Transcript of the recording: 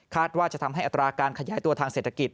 ว่าจะทำให้อัตราการขยายตัวทางเศรษฐกิจ